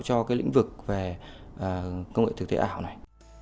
cho cái lĩnh vực về công nghệ thực tế ảo này